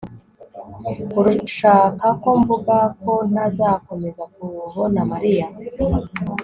urashaka ko mvuga ko ntazakomeza kubona mariya